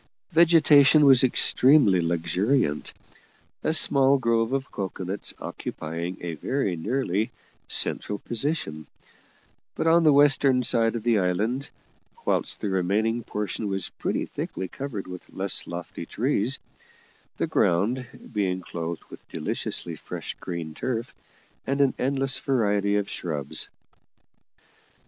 Vegetation was extremely luxuriant, a small grove of cocoanuts occupying a very nearly central position, but on the western side of the island; whilst the remaining portion was pretty thickly covered with less lofty trees, the ground being clothed with deliciously fresh green turf, and an endless variety of shrubs.